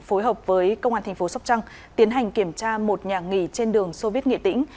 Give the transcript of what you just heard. phối hợp với công an tp sóc trăng tiến hành kiểm tra một nhà nghỉ trên đường soviet nghệ tĩnh